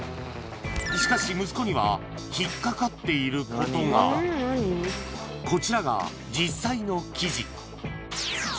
しかし息子には引っかかっていることがこちらが実際の記事